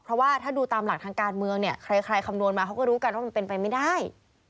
เพราะว่าถ้าดูตามหลักทางการเมืองเนี่ยใครคำนวณมาเขาก็รู้กันว่ามันเป็นไปไม่ได้